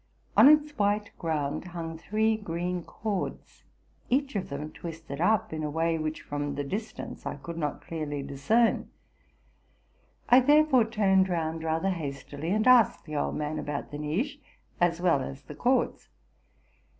On its white ground hung three green cords, each of them twisted up in a way which from the distance I could not clearly discern. I there fore turned round rather hastily, and asked the old man about the niche as well as the cords.